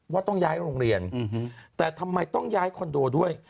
ว่าต้องย้ายโรงเรียนแต่ทำไมต้องย้ายคอนโดด้วย